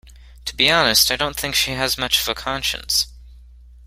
To be honest, I don’t think she has much of a conscience.